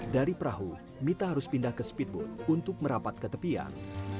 dari perahu mita harus pindah ke speedboat untuk merapat ke tepian